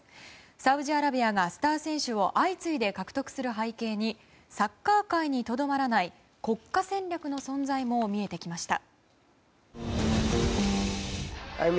サウジアラビアがスター選手を相次いで獲得する背景にサッカー界にとどまらない国家戦略の存在も見えてきました。